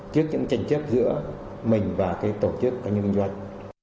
trước những tranh chấp giữa mình và tổ chức các nhân doanh